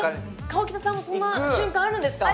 河北さんもそんな瞬間あるんですか？